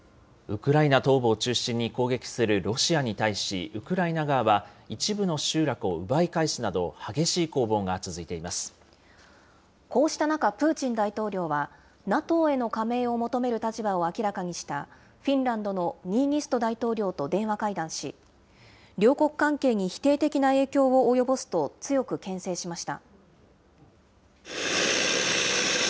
ウクライナ東部を中心に攻撃するロシアに対し、ウクライナ側は、一部の集落を奪い返すなど、こうした中、プーチン大統領はＮＡＴＯへの加盟を求める立場を明らかにした、フィンランドのニーニスト大統領と電話会談し、両国関係に否定的な影響を及ぼすと、強くけん制しました。